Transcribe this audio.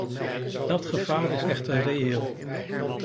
Dat gevaar is echter reëel.